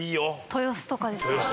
豊洲とかですか？